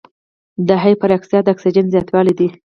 د هایپراکسیا د اکسیجن زیاتوالی دی.